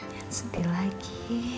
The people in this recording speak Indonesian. jangan sedih lagi